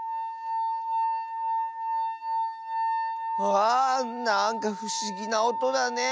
わあなんかふしぎなおとだね。